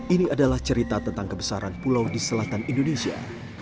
ini adalah cerita tentang kebesaran pulau di selatan indonesia